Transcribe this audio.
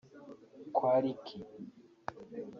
kwa Licky